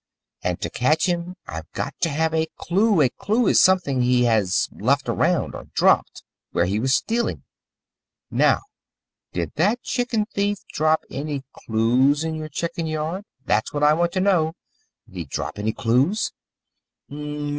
And to catch him I've got to have a clue. A clue is something he has left around, or dropped, where he was stealing. Now, did that chicken thief drop any clues in your chicken yard? That's what I want to know did he drop any clues?"